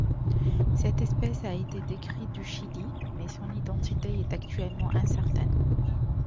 Cette espèce a été décrite du Chili, mais son identité est actuellement incertaine.